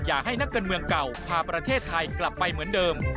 อยากให้นักการเมืองเก่าพาประเทศไทยกลับไปเหมือนเดิม